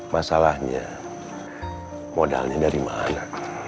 masalahnya modalnya dari mana